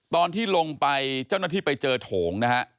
ตอนที่ลงไปเจ้าหน้าที่ไปเจอโถงนะฮะ